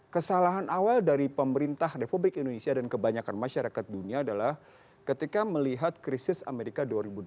kesalahan awal dari pemerintah republik indonesia dan kebanyakan masyarakat dunia adalah ketika melihat krisis amerika dua ribu delapan belas